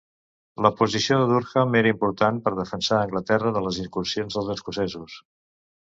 La posició de Durham era important per defensar Anglaterra de les incursions dels escocesos.